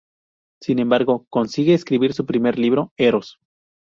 Sin embargo, consigue escribir un primer libro, "Eros.